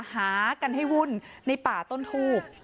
หากันให้วุ่นในป่าต้นทูบ